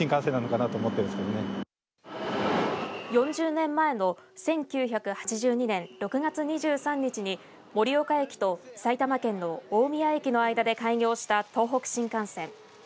４０年前の１９８２年６月２３日に盛岡駅と埼玉県の大宮駅の間で開業した東北新幹線。